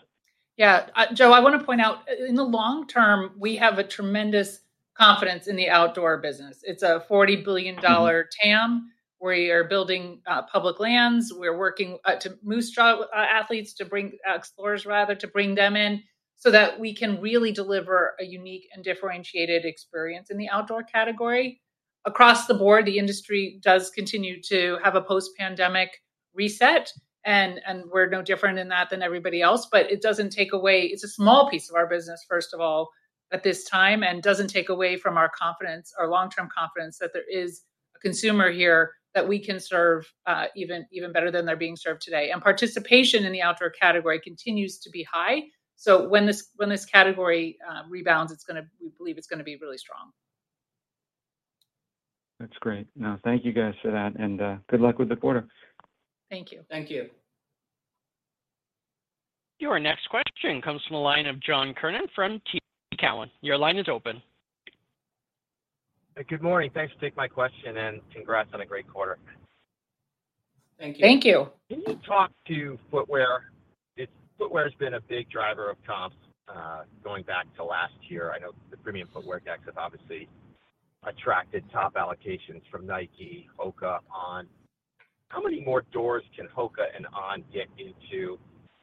Yeah, Joe, I wanna point out, in the long term, we have a tremendous confidence in the outdoor business. It's a $40 billion TAM. We are building Public Lands. We're working to boost our athletes, to bring explorers rather, to bring them in, so that we can really deliver a unique and differentiated experience in the outdoor category. Across the board, the industry does continue to have a post-pandemic reset, and we're no different in that than everybody else, but it doesn't take away. It's a small piece of our business, first of all, at this time, and doesn't take away from our confidence, our long-term confidence, that there is a consumer here that we can serve even better than they're being served today. Participation in the outdoor category continues to be high, so when this category rebounds, it's gonna, we believe it's gonna be really strong. That's great. Now, thank you guys for that, and, good luck with the quarter. Thank you. Thank you. Your next question comes from the line of John Kernan from TD Cowen. Your line is open. Good morning. Thanks for taking my question, and congrats on a great quarter. Thank you. Thank you. Can you talk to footwear? It's footwear's been a big driver of comps going back to last year. I know the premium footwear decks have obviously attracted top allocations from Nike, HOKA, On. How many more doors can HOKA and On get into?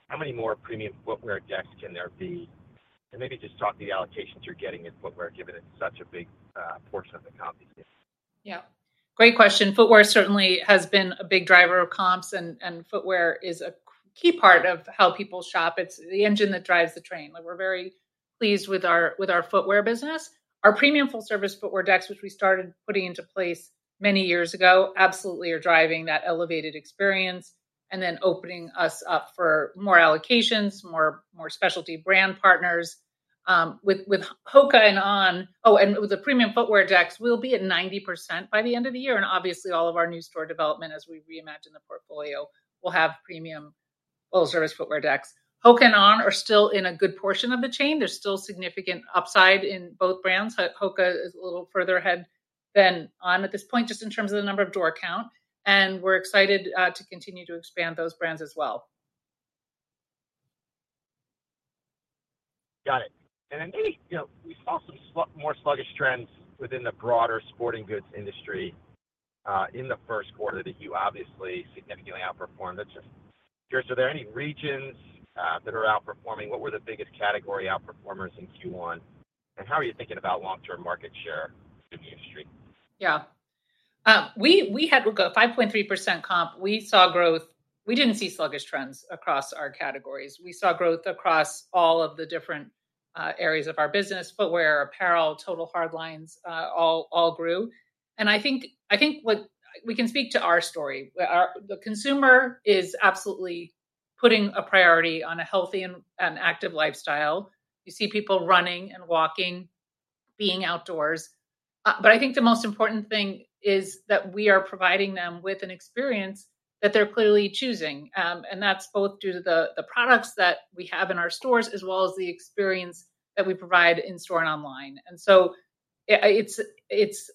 How many more premium footwear decks can there be? And maybe just talk the allocations you're getting in footwear, given it's such a big portion of the company.... Yeah, great question. Footwear certainly has been a big driver of comps, and footwear is a key part of how people shop. It's the engine that drives the train. Like, we're very pleased with our footwear business. Our premium full-service footwear decks, which we started putting into place many years ago, absolutely are driving that elevated experience, and then opening us up for more allocations, more specialty brand partners. With HOKA and On... Oh, and with the premium footwear decks, we'll be at 90% by the end of the year, and obviously all of our new store development as we reimagine the portfolio will have premium full-service footwear decks. HOKA and On are still in a good portion of the chain. There's still significant upside in both brands. HOKA is a little further ahead than On at this point, just in terms of the number of door count, and we're excited to continue to expand those brands as well. Got it. And then, any, you know, we saw some more sluggish trends within the broader sporting goods industry in the first quarter, that you obviously significantly outperformed. Let's just... Curious, are there any regions that are outperforming? What were the biggest category outperformers in Q1, and how are you thinking about long-term market share in the industry? Yeah. We had, look, a 5.3% comp. We saw growth. We didn't see sluggish trends across our categories. We saw growth across all of the different areas of our business, footwear, apparel, total hardlines, all grew. And I think what we can speak to our story. Our. The consumer is absolutely putting a priority on a healthy and active lifestyle. You see people running and walking, being outdoors. But I think the most important thing is that we are providing them with an experience that they're clearly choosing. And that's both due to the products that we have in our stores, as well as the experience that we provide in-store and online. And so it's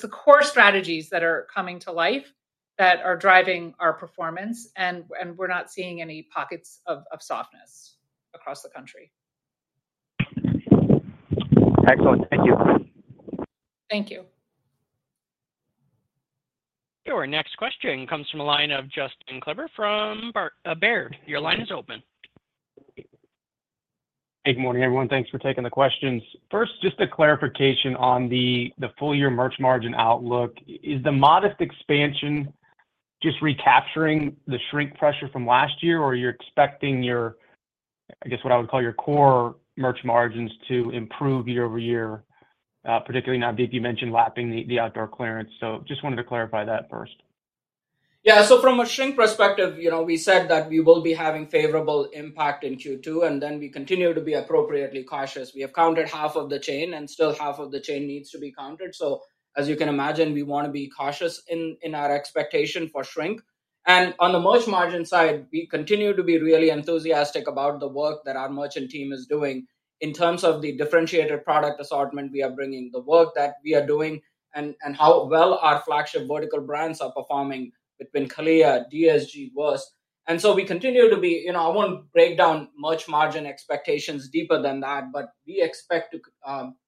the core strategies that are coming to life, that are driving our performance, and we're not seeing any pockets of softness across the country. Excellent. Thank you. Thank you. Your next question comes from the line of Justin Kleber from Baird. Your line is open. Hey, good morning, everyone. Thanks for taking the questions. First, just a clarification on the full year merch margin outlook. Is the modest expansion just recapturing the shrink pressure from last year, or you're expecting your, I guess, what I would call your core merch margins to improve year-over-year? Particularly now, Deep, you mentioned lapping the outdoor clearance, so just wanted to clarify that first. Yeah, so from a shrink perspective, you know, we said that we will be having favorable impact in Q2, and then we continue to be appropriately cautious. We have counted half of the chain, and still half of the chain needs to be counted. So as you can imagine, we wanna be cautious in, in our expectation for shrink. And on the merch margin side, we continue to be really enthusiastic about the work that our merchant team is doing in terms of the differentiated product assortment we are bringing, the work that we are doing, and, and how well our flagship vertical brands are performing with CALIA, DSG, VRST. And so we continue to be... You know, I won't break down merch margin expectations deeper than that, but we expect to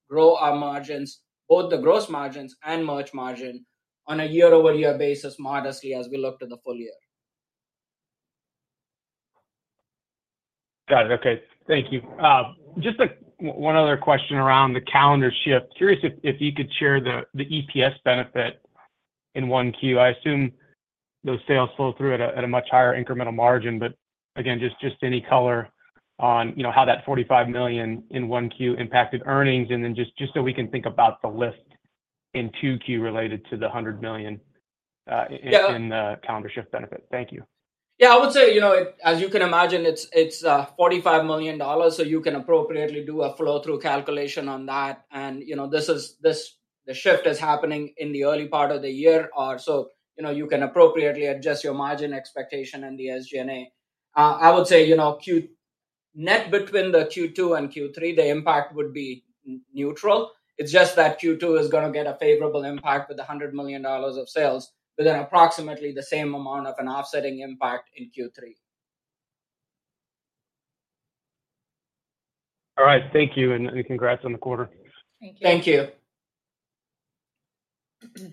grow our margins, both the gross margins and merch margin, on a year-over-year basis modestly as we look to the full year. Got it. Okay. Thank you. Just like one other question around the calendar shift. Curious if you could share the EPS benefit in 1Q. I assume those sales flow through at a much higher incremental margin, but again, just any color on, you know, how that $45 million in 1Q impacted earnings, and then just so we can think about the lift in 2Q related to the $100 million, uh- Yeah... in the calendar shift benefit. Thank you. Yeah, I would say, you know, it, as you can imagine, it's $45 million, so you can appropriately do a flow-through calculation on that. And, you know, this is, this, the shift is happening in the early part of the year or so. You know, you can appropriately adjust your margin expectation and the SG&A. I would say, you know, net between the Q2 and Q3, the impact would be neutral. It's just that Q2 is gonna get a favorable impact with $100 million of sales, with approximately the same amount of an offsetting impact in Q3. All right. Thank you, and, and congrats on the quarter. Thank you. Thank you.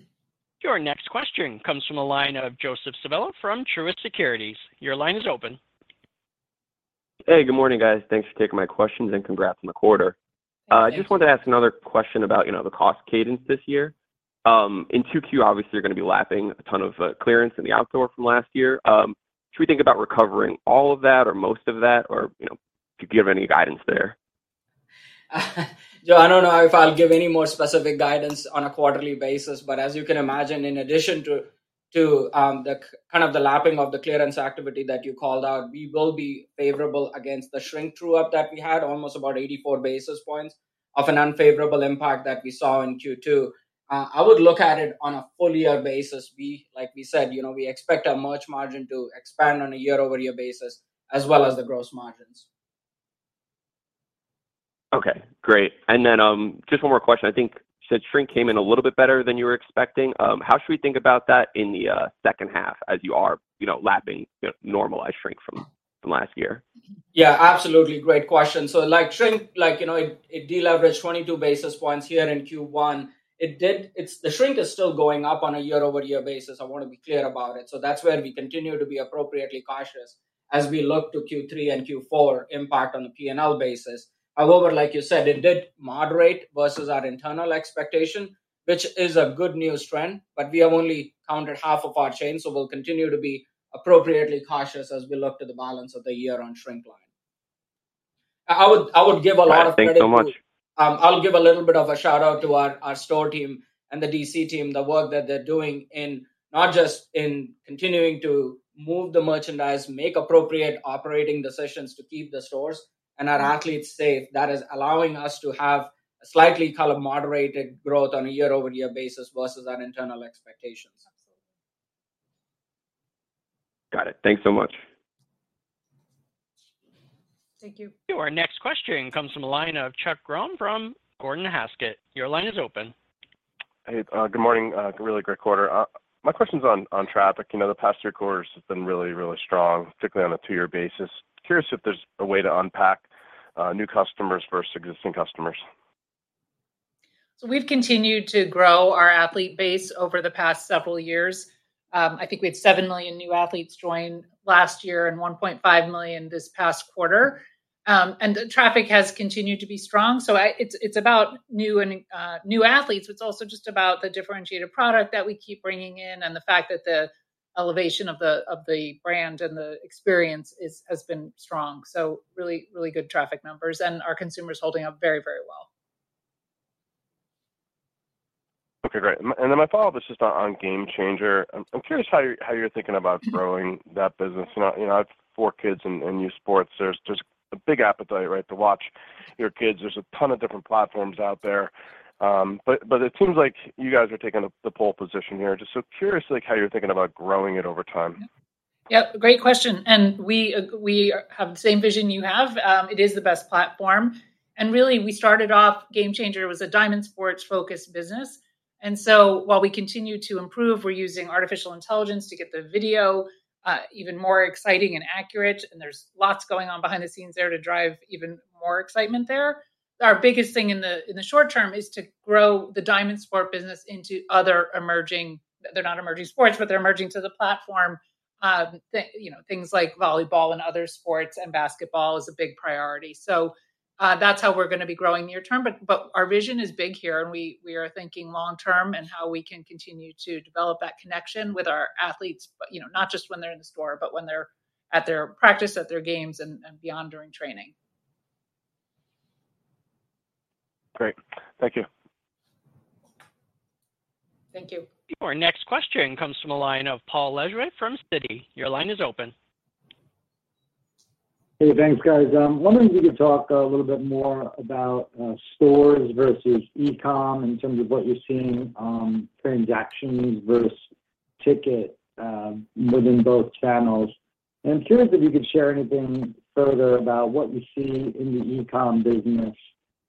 Your next question comes from the line of Joe Civello from Truist Securities. Your line is open. Hey, good morning, guys. Thanks for taking my questions, and congrats on the quarter. Thank you. Just wanted to ask another question about, you know, the cost cadence this year. In 2Q, obviously, you're gonna be lapping a ton of clearance in the outdoor from last year. Should we think about recovering all of that or most of that? Or, you know, could you give any guidance there? Joe, I don't know if I'll give any more specific guidance on a quarterly basis, but as you can imagine, in addition to the kind of the lapping of the clearance activity that you called out, we will be favorable against the shrink true-up that we had, almost about 84 basis points of an unfavorable impact that we saw in Q2. I would look at it on a full year basis. We, like we said, you know, we expect our merch margin to expand on a year-over-year basis, as well as the gross margins. Okay, great. And then, just one more question. I think you said shrink came in a little bit better than you were expecting. How should we think about that in the second half as you are, you know, lapping, you know, normalized shrink from last year? Yeah, absolutely. Great question. So like shrink, like, you know, it deleveraged 22 basis points here in Q1. It's the shrink is still going up on a year-over-year basis, I want to be clear about it. So that's where we continue to be appropriately cautious as we look to Q3 and Q4 impact on the P&L basis. However, like you said, it did moderate versus our internal expectation, which is a good news trend, but we have only counted half of our chain, so we'll continue to be appropriately cautious as we look to the balance of the year on shrink line. I would give a lot of credit to- Thank you so much. I'll give a little bit of a shout-out to our store team and the DC team, the work that they're doing, not just in continuing to move the merchandise, make appropriate operating decisions to keep the stores and our athletes safe, that is allowing us to have a slightly color moderated growth on a year-over-year basis versus our internal expectations. Got it. Thanks so much. Thank you. Our next question comes from the line of Chuck Grom from Gordon Haskett. Your line is open. Hey, good morning. Really great quarter. My question's on traffic. You know, the past three quarters has been really, really strong, particularly on a two-year basis. Curious if there's a way to unpack new customers versus existing customers. So we've continued to grow our athlete base over the past several years. I think we had 7 million new athletes join last year and 1.5 million this past quarter. And the traffic has continued to be strong. It's about new and new athletes, but it's also just about the differentiated product that we keep bringing in, and the fact that the elevation of the brand and the experience has been strong. So really, really good traffic numbers, and our consumers holding up very, very well. Okay, great. And then my follow-up is just on GameChanger. I'm curious how you're thinking about growing that business. You know, I have four kids in new sports. There's a big appetite, right, to watch your kids. There's a ton of different platforms out there. But it seems like you guys are taking the pole position here. Just so curious, like, how you're thinking about growing it over time? Yep, great question. And we, we have the same vision you have. It is the best platform. And really, we started off, GameChanger was a diamond sports-focused business. And so, while we continue to improve, we're using artificial intelligence to get the video, even more exciting and accurate, and there's lots going on behind the scenes there to drive even more excitement there. Our biggest thing in the, in the short term is to grow the diamond sport business into other emerging... They're not emerging sports, but they're emerging to the platform. You know, things like volleyball and other sports, and basketball is a big priority. So, that's how we're gonna be growing near term, but our vision is big here, and we are thinking long term and how we can continue to develop that connection with our athletes, but, you know, not just when they're in the store, but when they're at their practice, at their games, and beyond during training. Great. Thank you. Thank you. Our next question comes from a line of Paul Lejuez from Citi. Your line is open. Hey, thanks, guys. Wondering if you could talk a little bit more about stores versus e-com in terms of what you're seeing on transactions versus ticket within both channels. Curious if you could share anything further about what you see in the e-com business,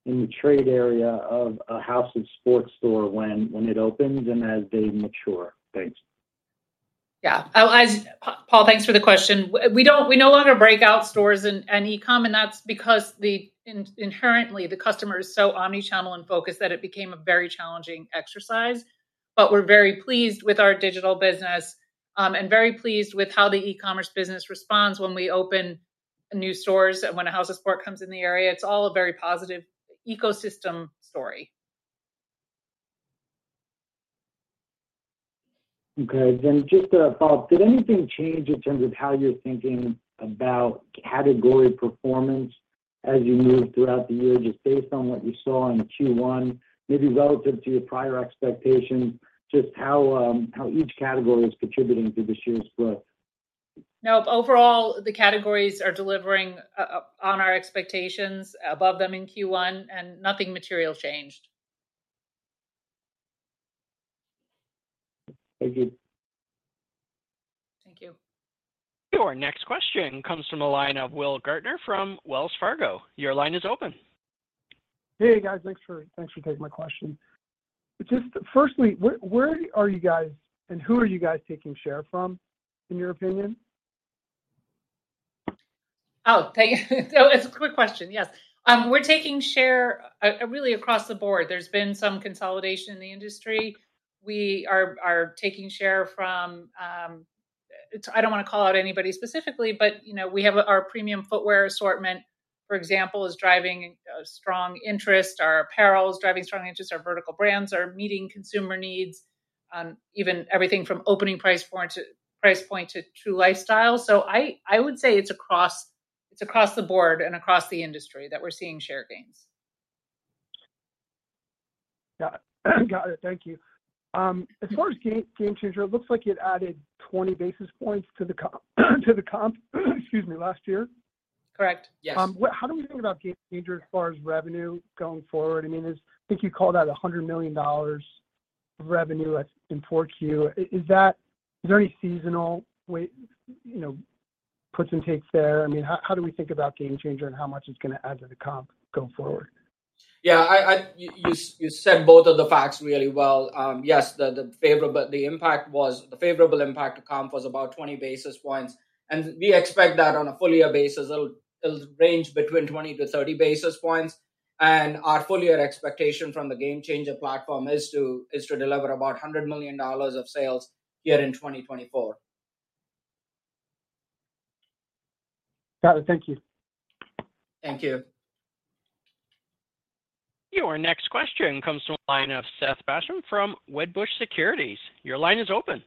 in the trade area of a House of Sport store when it opens and as they mature. Thanks. Yeah. Oh, Paul, thanks for the question. We no longer break out stores and e-com, and that's because inherently, the customer is so omni-channel and focused that it became a very challenging exercise. But we're very pleased with our digital business, and very pleased with how the e-commerce business responds when we open new stores and when a House of Sport comes in the area. It's all a very positive ecosystem story. Okay, then just a thought. Did anything change in terms of how you're thinking about category performance as you move throughout the year, just based on what you saw in Q1, maybe relative to your prior expectations, just how, how each category is contributing to this year's growth? No, overall, the categories are delivering on our expectations, above them in Q1, and nothing material changed. Thank you. Thank you. Our next question comes from a line of Will Gaertner from Wells Fargo. Your line is open. Hey, guys, thanks for taking my question. Just firstly, where are you guys and who are you guys taking share from, in your opinion? Oh, so it's a quick question. Yes. We're taking share, really across the board. There's been some consolidation in the industry. We are taking share from... I don't wanna call out anybody specifically, but, you know, we have our premium footwear assortment, for example, is driving a strong interest. Our apparel is driving strong interest. Our vertical brands are meeting consumer needs, even everything from opening price point to price point to true lifestyle. So I would say it's across, it's across the board and across the industry that we're seeing share gains. Got it. Got it. Thank you. As far as GameChanger, it looks like it added 20 basis points to the comp, excuse me, last year. Correct. Yes. How do we think about GameChanger as far as revenue going forward? I mean, I think you called out $100 million of revenue in Q4. Is there any seasonal way, you know, puts and takes there? I mean, how do we think about GameChanger and how much it's gonna add to the comp going forward? Yeah, you said both of the facts really well. Yes, the favorable impact to comp was about 20 basis points, and we expect that on a full year basis, it'll range between 20-30 basis points. And our full year expectation from the GameChanger platform is to deliver about $100 million of sales here in 2024. Got it. Thank you. Thank you. Your next question comes from the line of Seth Basham from Wedbush Securities. Your line is open.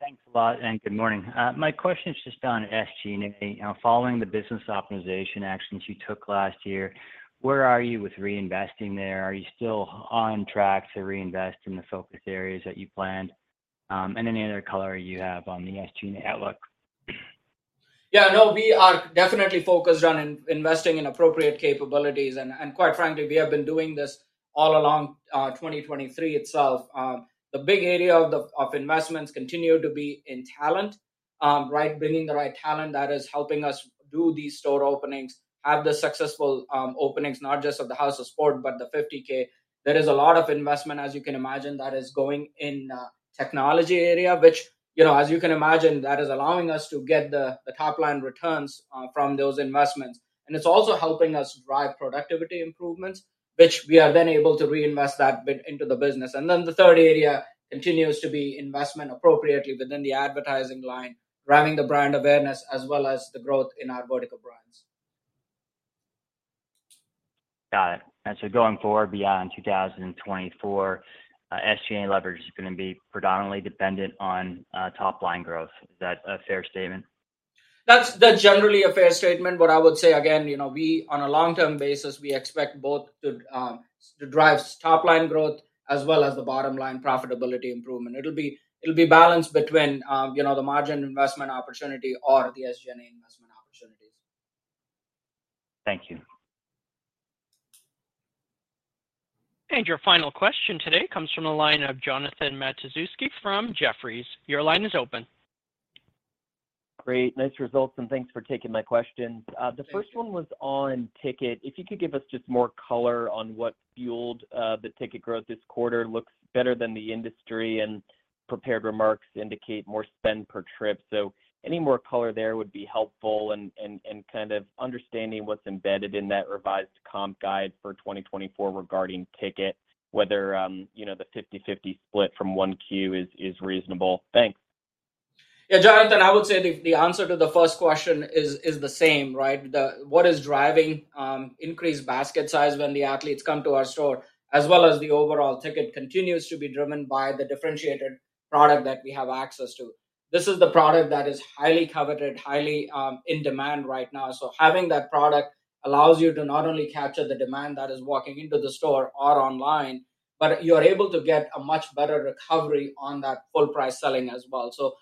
Thanks a lot, and good morning. My question is just on SG&A. Now, following the business optimization actions you took last year, where are you with reinvesting there? Are you still on track to reinvest in the focus areas that you planned? Any other color you have on the SG&A outlook? Yeah, no, we are definitely focused on investing in appropriate capabilities, and quite frankly, we have been doing this all along, 2023 itself. The big area of investments continue to be in talent. Right, bringing the right talent that is helping us do these store openings, have the successful openings, not just of the House of Sport, but the 50K. There is a lot of investment, as you can imagine, that is going in technology area, which, you know, as you can imagine, that is allowing us to get the top-line returns from those investments. And it's also helping us drive productivity improvements, which we are then able to reinvest that bit into the business. Then the third area continues to be investment appropriately within the advertising line, driving the brand awareness, as well as the growth in our vertical brands. Got it. So going forward beyond 2024, SG&A leverage is gonna be predominantly dependent on top-line growth. Is that a fair statement? That's, that's generally a fair statement, but I would say again, you know, we, on a long-term basis, we expect both to, to drive top-line growth as well as the bottom-line profitability improvement. It'll be, it'll be balanced between, you know, the margin investment opportunity or the SG&A investment opportunities. Thank you. Your final question today comes from the line of Jonathan Matuszewski from Jefferies. Your line is open. Great. Nice results, and thanks for taking my questions. Thank you. The first one was on ticket. If you could give us just more color on what fueled the ticket growth this quarter. Looks better than the industry, and prepared remarks indicate more spend per trip. So any more color there would be helpful and kind of understanding what's embedded in that revised comp guide for 2024 regarding ticket, whether you know the 50/50 split from 1Q is reasonable. Thanks. Yeah, Jonathan, I would say the answer to the first question is the same, right? What is driving increased basket size when the athletes come to our store, as well as the overall ticket, continues to be driven by the differentiated product that we have access to. This is the product that is highly coveted, highly in demand right now. So having that product allows you to not only capture the demand that is walking into the store or online, but you're able to get a much better recovery on that full price selling as well. So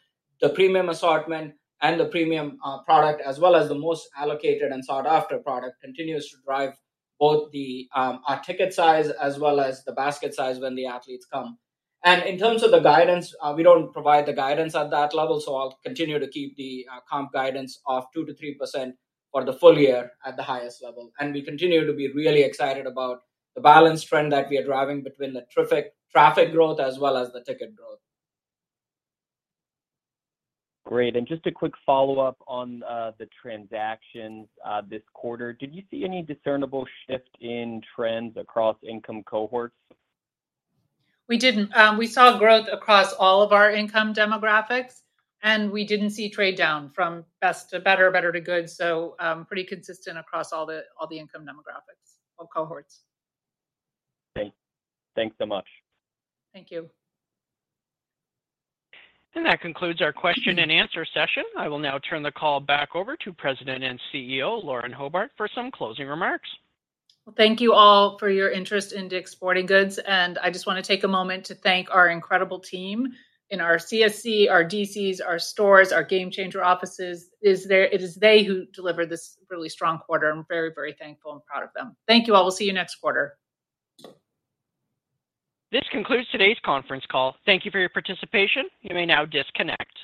the premium assortment and the premium product, as well as the most allocated and sought-after product, continues to drive both our ticket size as well as the basket size when the athletes come. In terms of the guidance, we don't provide the guidance at that level, so I'll continue to keep the comp guidance of 2%-3% for the full year at the highest level. We continue to be really excited about the balanced trend that we are driving between the traffic, traffic growth as well as the ticket growth. Great. Just a quick follow-up on the transactions this quarter. Did you see any discernible shift in trends across income cohorts? We didn't. We saw growth across all of our income demographics, and we didn't see trade down from best to better, or better to good. So, pretty consistent across all the, all the income demographics, all cohorts. Thanks. Thanks so much. Thank you. That concludes our question and answer session. I will now turn the call back over to President and CEO, Lauren Hobart, for some closing remarks. Well, thank you all for your interest in DICK'S Sporting Goods, and I just want to take a moment to thank our incredible team in our CSC, our DCs, our stores, our GameChanger offices. It is they who delivered this really strong quarter. I'm very, very thankful and proud of them. Thank you all. We'll see you next quarter. This concludes today's conference call. Thank you for your participation. You may now disconnect.